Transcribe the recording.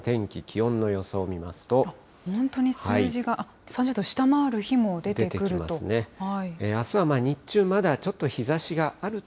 本当に数字が、３０度下回る日も出てくると。